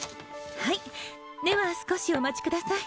はいでは少しお待ちください